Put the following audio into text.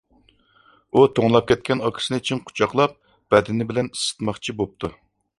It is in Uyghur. ئۇ توڭلاپ كەتكەن ئاكىسىنى چىڭ قۇچاقلاپ بەدىنى بىلەن ئىسسىتماقچى بوپتۇ.